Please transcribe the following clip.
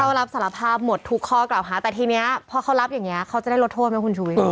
เขารับสารภาพหมดทุกข้อกล่าวหาแต่ทีนี้พอเขารับอย่างนี้เขาจะได้ลดโทษไหมคุณชุวิต